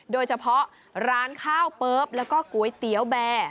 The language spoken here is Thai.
โดยเฉพาะร้านข้าวเปิ๊บแล้วก็ก๋วยเตี๋ยวแบร์